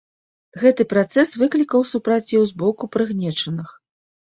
Гэты працэс выклікаў супраціў з боку прыгнечаных.